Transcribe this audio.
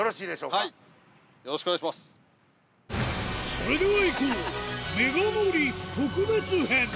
それではいこう！